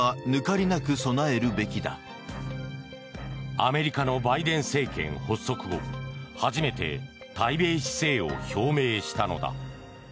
アメリカのバイデン政権発足後初めて対米姿勢を表明したのだ。